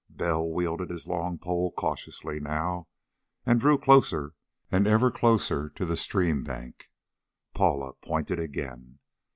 Bell wielded his long pole cautiously now, and drew closer and ever closer to the stream bank. Paula pointed again.